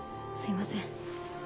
すいません。